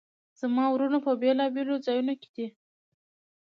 زما وروڼه په بیلابیلو ځایونو کې دي